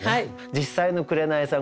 実際の紅さん